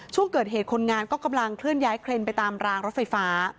ช่วงเกิดเหตุคนงานก็กำลังเคลื่อนย้ายเครนไปตามรางรถไฟฟ้า